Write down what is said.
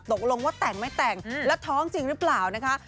ตกลงว่าแต่งไม่แต่งแล้วท้องจริงหรือเปล่านะคะ